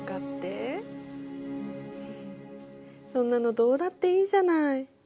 そんなのどうだっていいじゃない。